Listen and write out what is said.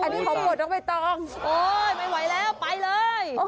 อันนี้ของผมก็ไม่ต้องโอ้ยไม่ไหวแล้วไปเลย